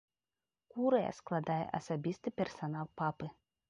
Курыя складае асабісты персанал папы.